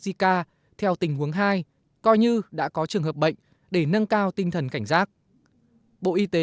zika theo tình huống hai coi như đã có trường hợp bệnh để nâng cao tinh thần cảnh giác bộ y tế